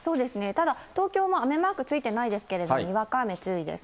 ただ、東京も雨マークついてないですけれども、にわか雨注意です。